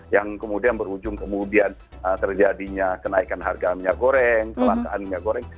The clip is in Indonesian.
yang kemudian berujung kemudian terjadinya kenaikan harga minyak goreng kelangkaan minyak goreng